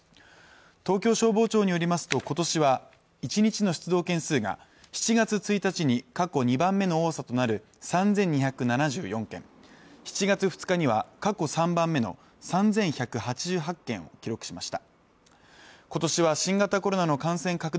東京消防庁によりますとことしは１日の出動件数が７月１日に過去２番目の多さとなる３２７４件７月２日には過去３番目の３１８８件を記録しました